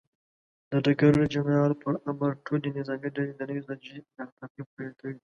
د ډګر جنرال پر امر، ټولې نظامي ډلې د نوې ستراتیژۍ تعقیب پیل کوي.